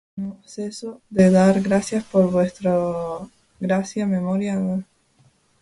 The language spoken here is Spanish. No ceso de dar gracias por vosotros, haciendo memoria de vosotros en mis oraciones;